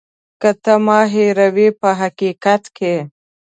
که ته ما هېروې په حقیقت کې.